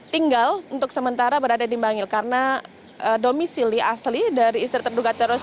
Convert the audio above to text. tinggal untuk sementara berada di bangil karena domisili asli dari istri terduga teroris